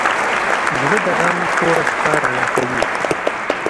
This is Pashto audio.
زړه د غم توره شپه رڼا کوي.